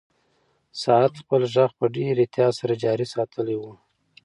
ساعت خپل غږ په ډېر احتیاط سره جاري ساتلی و.